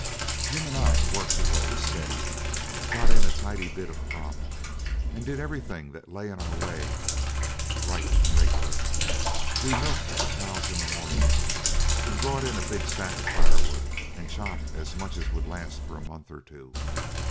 Jim and I worked away steady, got in a tidy bit of crop, and did everything that lay in our way right and regular. We milked the cows in the morning, and brought in a big stack of firewood and chopped as much as would last for a month or two.